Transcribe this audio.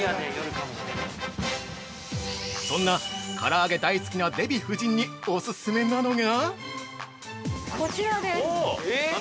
◆そんな、唐揚げ大好きなデヴィ夫人にオススメなのが◆こちらです。